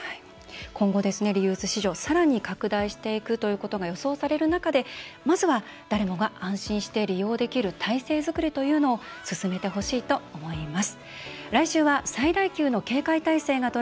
今後、リユース市場さらに拡大していくということが予想される中で、まずは誰もが安心して利用できる体制作りというのを進めてほしいと思います。